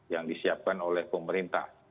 yang disiapkan oleh pemerintah